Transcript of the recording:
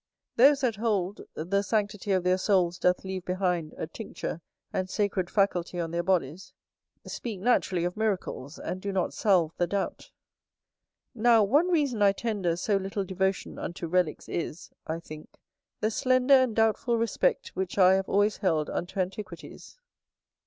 Those that hold, the sanctity of their souls doth leave behind a tincture and sacred faculty on their bodies, speak naturally of miracles, and do not salve the doubt. Now, one reason I tender so little devotion unto relicks is, I think the slender and doubtful respect which I have always held unto antiquities.